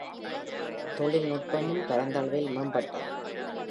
தொழில்நுட்பமும் பரந்தளவில் மேம்பட்டது.